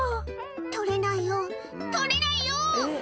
取れないよ、取れないよー。